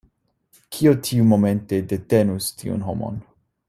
Kio tiumomente detenus tiun homon?